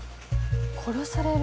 殺される？